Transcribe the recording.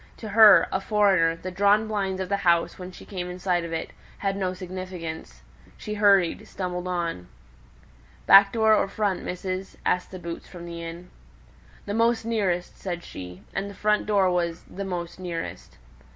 To her, a foreigner, the drawn blinds of the house, when she came in sight of it, had no significance; she hurried, stumbled on. "Back door or front, missus?" asked the boots from the inn. "The most nearest," said she. And the front door was "the most nearest."